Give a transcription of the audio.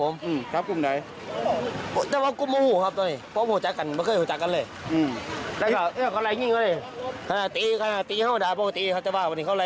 บอกว่าทราบตัวกลุ่มผู้ก่อเหตุแล้วนะครับ